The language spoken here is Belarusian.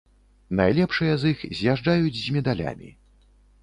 Найлепшыя з іх з'язджаюць з медалямі.